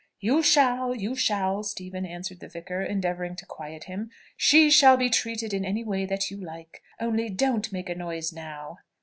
"You shall, you shall, Stephen," answered the vicar, endeavouring to quiet him. "She shall be treated in any way that you like, only don't make a noise now."